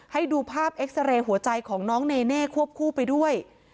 ให้ดูภาพเอ็กซาเรย์หัวใจของน้องเนเน่ควบคู่ไปด้วย